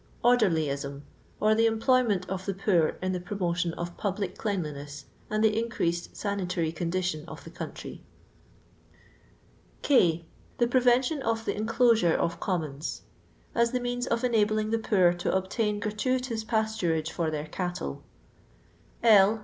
Ordcrlyism, or the employment of the poor in the promotion of public cleanliness, aiid the increased sanitary condition of the country. E. The prevention of the enclosure of com mons ; as the means of enabling the poor to obtain gratuitous pasturage for their cattle. L.